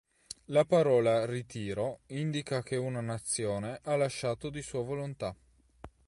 La parola "ritiro" indica che una nazione ha lasciato di sua volontà.